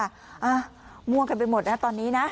ม่วงกันไปหมดนะตอนนี้นะ